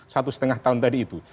satu setengah tahun tadi itu